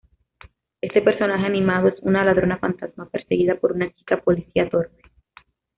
Este personaje animado es una ladrona fantasma perseguida por una chica policía torpe.